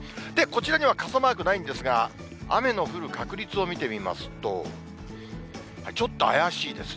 こちらには傘マークないんですが、雨の降る確率を見てみますと、ちょっと怪しいです。